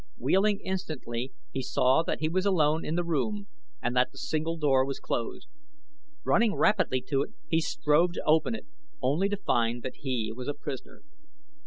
Wheeling instantly he saw that he was alone in the room and that the single door was closed. Running rapidly to it he strove to open it, only to find that he was a prisoner.